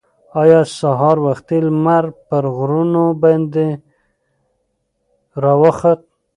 ایا سهار وختي لمر پر غرونو باندې راوخوت؟